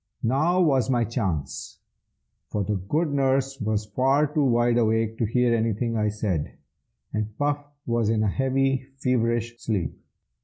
Now was my chance, for the good nurse was far too wide awake to hear anything I said, and Puff was in a heavy, feverish sleep.